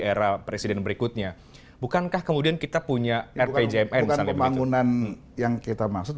era presiden berikutnya bukankah kemudian kita punya rpjmpan sangat bangunan yang kita maksudkan